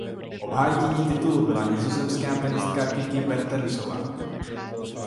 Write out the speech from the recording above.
Obhájkyní titulu byla nizozemská tenistka Kiki Bertensová.